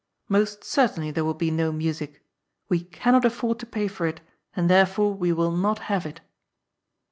Most certainly there will be no music. We cannot afford to pay for it, and therefore we will not have it."